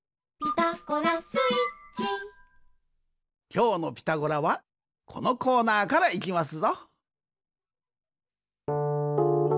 きょうの「ピタゴラ」はこのコーナーからいきますぞ。